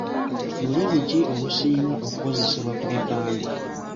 Lulimi ki olusinga okukozesebwa ku bipande?